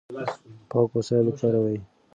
پاک وسایل وکاروئ.